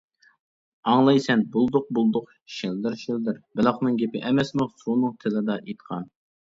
-ئاڭلايسەن، - «بۇلدۇق-بۇلدۇق» «شىلدىر-شىلدىر» بېلىقنىڭ گېپى ئەمەسمۇ سۇنىڭ تىلىدا ئېيتقان!